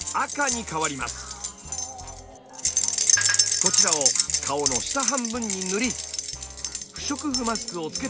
こちらを顔の下半分に塗り不織布マスクをつけて準備完了。